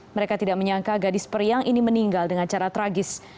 mereka tidak menyangka gadis periang ini meninggal dengan cara tragis